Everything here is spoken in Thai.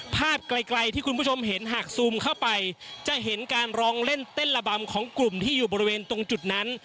ภาพไกลที่คุณผู้ชมเห็นหากซูมเข้าไปจะเห็นการร้องเล่นเต้นระบำของกลุ่มที่อยู่บริเวณตรงจุดนั้น